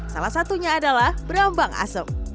salah satunya adalah berambang asem